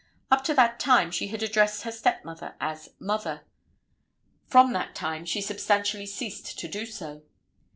Up to that time she had addressed her stepmother as "mother." From that time she substantially ceased to do so.